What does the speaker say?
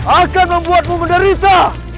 akan membuatmu menderita